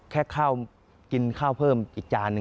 แค่ข้าวกินข้าวเพิ่มอีกจานหนึ่ง